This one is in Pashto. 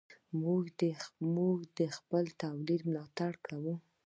موږ د خپل تولید ملاتړ کوو.